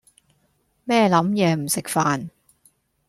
咩諗野唔食飯